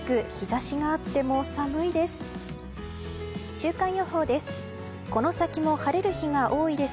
週間予報です。